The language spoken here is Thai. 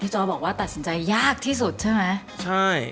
จอบอกว่าตัดสินใจยากที่สุดใช่ไหมใช่